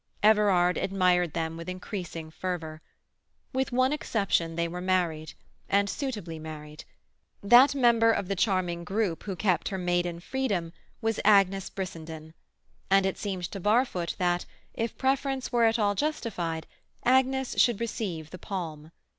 Everard admired them with increasing fervour. With one exception they were married, and suitably married; that member of the charming group who kept her maiden freedom was Agnes Brissenden, and it seemed to Barfoot that, if preference were at all justified, Agnes should receive the palm.